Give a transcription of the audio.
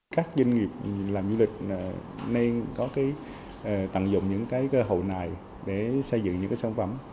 các doanh nghiệp làm du lịch nên có cái tận dụng những cái cơ hội này để xây dựng những cái sản phẩm